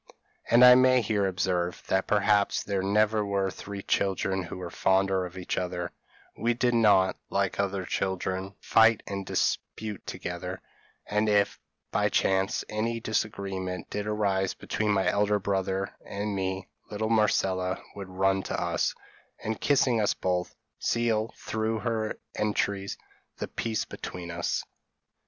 And I may here observe, that perhaps there never were three children who were fonder of each other; we did not, like other children, fight and dispute together; and if, by chance, any disagreement did arise between my elder brother and me, little Marcella would run to us, and kissing us both, seal, through her entreaties, the peace between us.